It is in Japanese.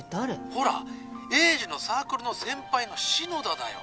ほら栄治のサークルの先輩の篠田だよ。